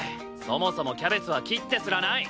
そもそもキャベツは切ってすらない。